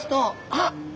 あっ！